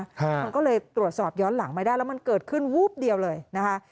มันก็เลยตรวจสอบย้อนหลังไม่ได้แล้วมันเกิดขึ้นวูบเดียวเลยนะคะ